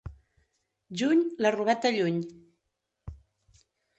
Juny, la robeta lluny.